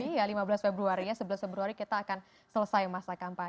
iya lima belas februari ya sebelas februari kita akan selesai masa kampanye